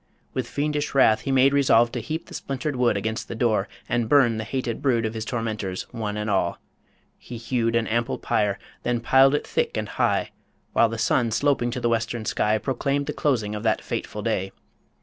With fiendish wrath He made resolve to heap the splintered wood Against the door, and burn the hated brood Of his tormentors one and all. He hewed An ample pyre, then piled it thick and high, While the sun, sloping to the western sky, Proclaimed the closing of that fateful day.